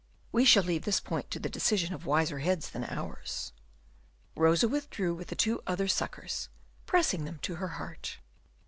We shall leave this point to the decision of wiser heads than ours. Rosa withdrew with the other two suckers, pressing them to her heart.